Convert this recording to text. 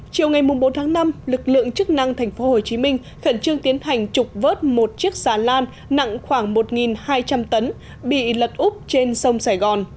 chiều ngày bốn tháng năm lực lượng chức năng tp hcm khẩn trương tiến hành trục vớt một chiếc xà lan nặng khoảng một hai trăm linh tấn bị lật úp trên sông sài gòn